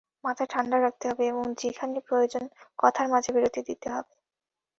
মাথা ঠান্ডা রাখতে হবে এবং যেখানে প্রয়োজন, কথার মাঝে বিরতি দিতে হবে।